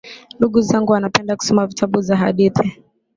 Ndugu zangu wanapenda kusoma vitabu za hadithi